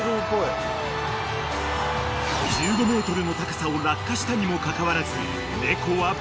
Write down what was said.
［１５ｍの高さを落下したにも関わらず］